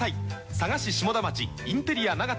佐賀市下田町インテリアナガタ